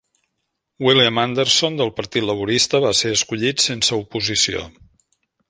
William Anderson del Partit Laborista va ser escollit sense oposició.